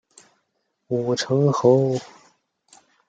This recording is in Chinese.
武城侯。